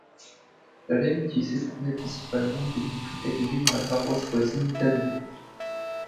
La laine utilisée provenait principalement des moutons élevés dans la paroisse voisine d'Hanvec.